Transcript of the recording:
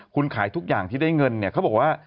คุณขายทุกอย่างที่ได้เงินเนี่ยเขาบอกว่า